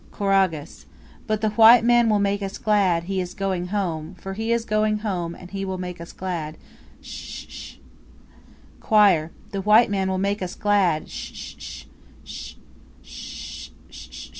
Choragus. But the white man will make us glad, He is going home! For he is going home, And he will make us glad! Sh sh sh! Choir. The white man will make us glad!